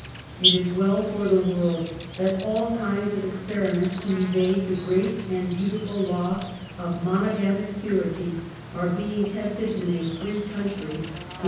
''^ It is well for the world that all kinds of experi ments to evade the great and beautiful law of mo nogamic purity are being tested in a free country in 118 UNMASKED.